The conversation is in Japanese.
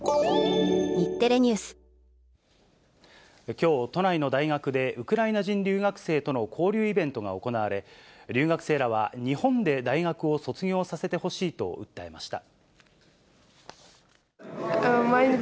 きょう、都内の大学でウクライナ人留学生との交流イベントが行われ、留学生らは日本で大学を卒業させてほしいと訴えました。